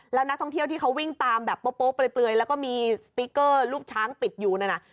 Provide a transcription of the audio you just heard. แล้วนักท่องเที่ยวที่เขาวิ่งตามแบบโป๊ะเปลือยแล้วก็มีสติ๊กเกอร์ลูกช้างปิดอยู่นั่นน่ะ